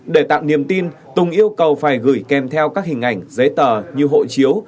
để tạo niềm tin tùng yêu cầu phải gửi kèm theo các hình ảnh giấy tờ như hộ chiếu